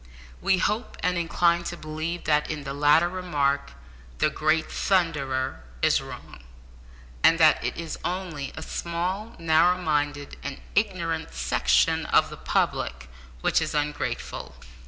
We hope and incline to believe that in the latter remark, the great Thunderer is wrong, and that it is only a small, narrow minded, and ignorant section of the public which is ungrateful.